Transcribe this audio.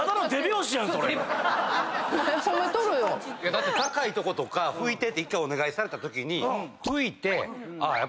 だって高いとことか１回拭いてってお願いされたときに拭いて。